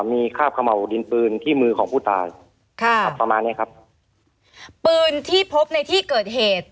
มีข้าบขะเหมาดินปืนที่มือของผู้ตายค่ะสำหรับเนี้ยครับปืนที่พบในที่เกิดเหตุ